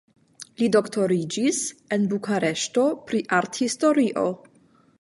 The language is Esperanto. Li doktoriĝis en Bukareŝto pri arthistorio.